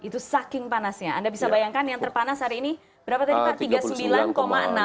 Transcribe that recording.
itu saking panasnya anda bisa bayangkan yang terpanas hari ini berapa tadi pak